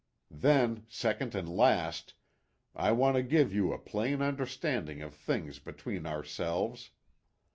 Then, second and last, I want to give you a plain understanding of things between ourselves.